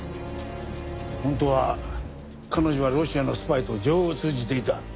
本当は彼女はロシアのスパイと情を通じていた。